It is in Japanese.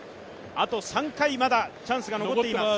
あと３回、まだチャンスが残ってます。